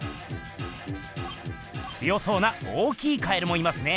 強そうな大きい蛙もいますね。